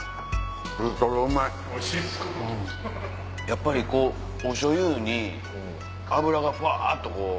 やっぱりこうお醤油に脂がふわっとこう。